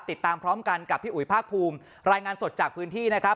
ติดตามพร้อมกันกับพี่อุ๋ยภาคภูมิรายงานสดจากพื้นที่นะครับ